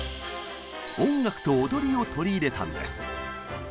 「音楽と踊り」を取り入れたんです。